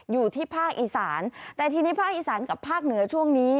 อยู่ที่ภาคอีสานแต่ทีนี้ภาคอีสานกับภาคเหนือช่วงนี้